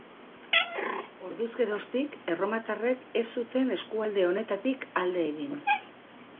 Orduz geroztik erromatarrek ez zuten eskualde honetatik alde egin.